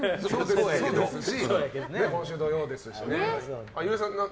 今週土曜ですし。